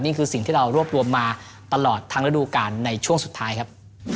นี่คือสิ่งที่เรารวบรวมมาตลอดทั้งระดูการในช่วงสุดท้ายครับ